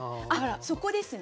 そこですね